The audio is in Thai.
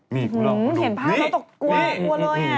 เห็นภาพแล้วตกกลัวเลย